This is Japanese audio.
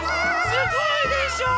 すごいでしょう。